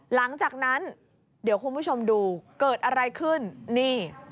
หลังจากนั้นเดี๋ยวคุณผู้ชมดูเกิดอะไรขึ้นนี่